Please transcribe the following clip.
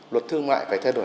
luật thương mại phải thay đổi